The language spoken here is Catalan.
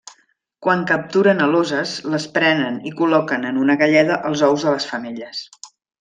Quan capturen aloses les prenen i col·loquen en una galleda els ous de les femelles.